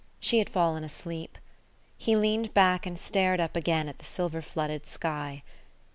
She had fallen asleep.... He leaned back and stared up again at the silver flooded sky.